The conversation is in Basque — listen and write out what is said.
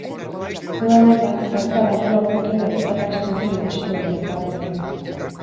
Uda honetan, galtza labur-laburrekin nahiz praka estuekin ikusiko dira, batez ere.